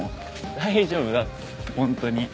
大丈夫だってホントに。